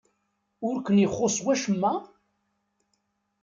Ur ken-ixuṣṣ wacemma?